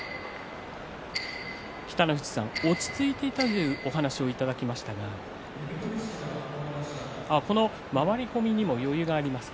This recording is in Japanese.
北の富士さん、落ち着いていたというお話をいただきましたが回り込みにも余裕がありますか。